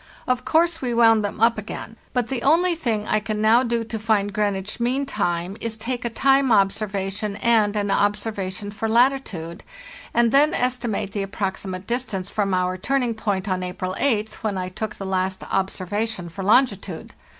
Of course we wound them up again, but the only thing I can now do to find Greenwich mean time is take a time observation and an observation for latitude, and then estimate the approxi mate distance from our turning point on April 8th, when I took the last observation for longitude.